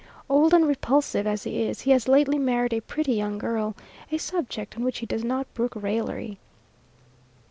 Old and repulsive as he is, he has lately married a pretty young girl a subject on which he does not brook raillery.